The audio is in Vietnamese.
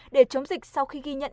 để chống dịch sau khi ghi nhận